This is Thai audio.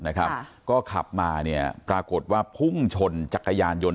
นะครับก็ขับมาเนี่ยปรากฏว่าพุ่งชนจักรยานยนต